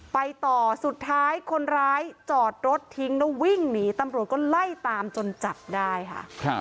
ไปต่อสุดท้ายคนร้ายจอดรถทิ้งแล้ววิ่งหนีตำรวจก็ไล่ตามจนจับได้ค่ะ